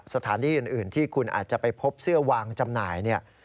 สถานที่อื่นที่คุณอาจจะไปพบเสื้อวางจำหน่ายเนี่ย